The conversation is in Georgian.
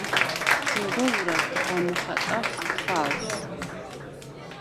სიმბოლურად გამოხატავს თვალს.